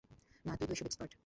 না, তুই তো এসবে এক্সপার্ট।